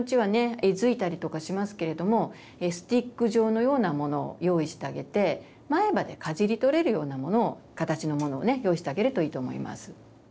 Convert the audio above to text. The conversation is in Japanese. えずいたりとかしますけれどもスティック状のようなものを用意してあげて前歯でかじり取れるようなものを形のものをね用意してあげるといいと思います。